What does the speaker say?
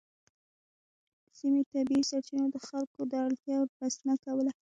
د سیمې طبیعي سرچینو د خلکو د اړتیا بسنه کوله.